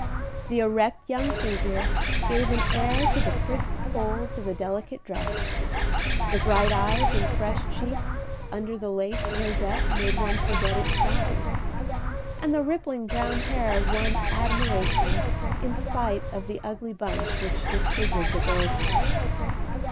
The erect young figure gave an air to the crisp folds of the delicate dress; the bright eyes and fresh cheeks under the lace rosette made one forget its size; and the rippling brown hair won admiration in spite of the ugly bunch which disfigured the girl's head.